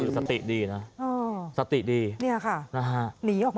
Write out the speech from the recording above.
สติดีนะสติดี